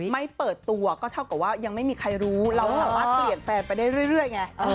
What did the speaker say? ไม่เปิดตัวก็เท่ากับว่ายังไม่มีใครรู้เราสามารถเปลี่ยนแฟนไปได้เรื่อยไง